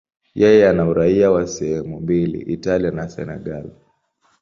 Yeye ana uraia wa sehemu mbili, Italia na Senegal.